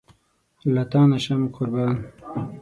له تانه شم قربان